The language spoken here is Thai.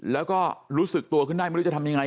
แล้วก็รู้สึกตัวขึ้นได้ไม่รู้จะทำยังไง